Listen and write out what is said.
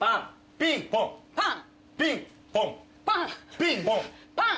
ピンポンパン。